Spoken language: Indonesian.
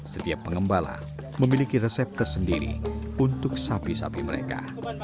setiap pengembala memiliki resep tersendiri untuk sapi sapi mereka